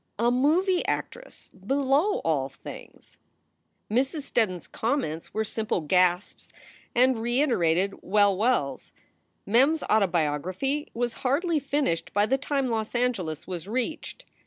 A movie actress below all things! Mrs. Steddon s comments were simple gasps and reiterated "Well, well s." Mem s autobiography was hardly finished by the time Los Angeles was reached.